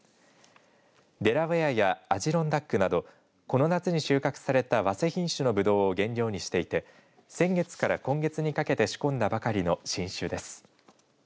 デラウェアやアジロンダックなどこの夏に収穫されたわせ品種のぶどうを原料にしていて先月から今月にかけて仕込んだばかりの新酒です。